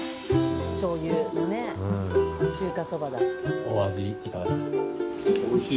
しょうゆのね中華そばだ。